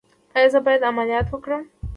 ایا زه باید عملیات وکړم؟